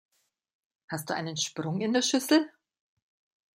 Hast du einen Sprung in der Schüssel?